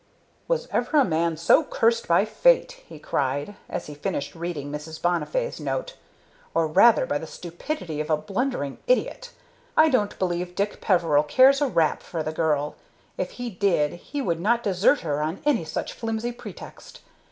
"Was ever a man so cursed by fate!" he cried, as he finished reading Mrs. Bonnifay's note; "or, rather, by the stupidity of a blundering idiot! I don't believe Dick Peveril cares a rap for the girl; if he did, he would not desert her on any such flimsy pretext.